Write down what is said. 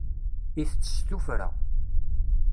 Itett s tuffra.